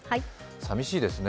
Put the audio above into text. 寂しいですね。